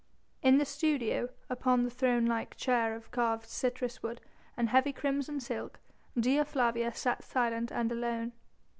In the studio, upon the throne like chair of carved citrus wood and heavy crimson silk, Dea Flavia sat silent and alone.